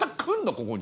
ここに。